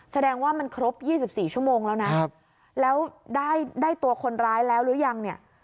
แสดงว่ามันครบ๒๔ชั่วโมงแล้วนะแล้วได้ตัวคนร้ายแล้วหรือยังเนี่ย